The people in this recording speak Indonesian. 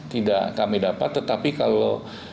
tidak kami dapat tetapi kalau